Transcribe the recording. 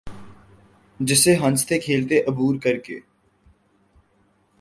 جسے ہنستے کھیلتے عبور کر کے